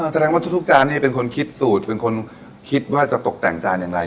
แสดงว่าทุกจานนี้เป็นคนคิดสูตรเป็นคนคิดว่าจะตกแต่งจานอย่างไร